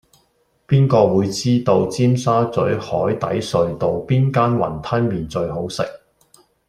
邊個會知道尖沙咀海底隧道邊間雲吞麵最好食